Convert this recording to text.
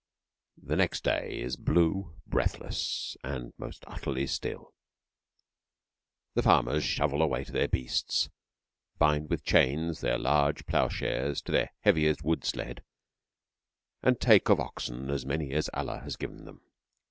The next day is blue, breathless, and most utterly still. The farmers shovel a way to their beasts, bind with chains their large ploughshares to their heaviest wood sled and take of oxen as many as Allah has given them.